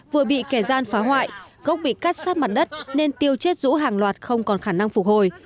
vừa bị kẻ gian phá hoại gốc bị cắt sát mặt đất nên tiêu chết rũ hàng loạt không còn khả năng phục hồi